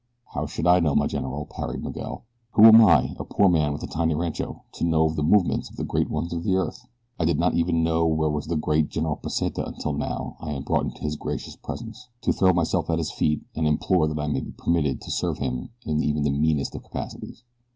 "How should I know, my general?" parried Miguel. "Who am I a poor man with a tiny rancho to know of the movements of the great ones of the earth? I did not even know where was the great General Pesita until now I am brought into his gracious presence, to throw myself at his feet and implore that I be permitted to serve him in even the meanest of capacities."